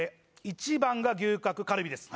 １番が牛角カルビです